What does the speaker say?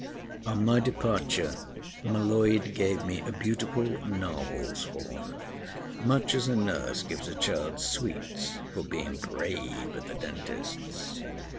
On my departure, M'Leod gave me a beautiful narwhal's horn, much as a nurse gives a child sweets for being brave at a dentist's.